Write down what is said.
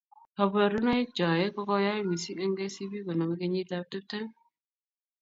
Kaborunoik choe ko koyaaha mising eng Kcb koname kinyit ab tiptem.